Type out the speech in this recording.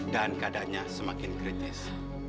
dan keadaannya semakin kritis